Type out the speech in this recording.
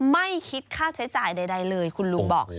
ไม่คิดค่าใช้จ่ายใดเลยคุณลุงบอก